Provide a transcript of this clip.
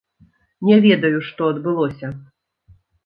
Не ведаю, што адбылося.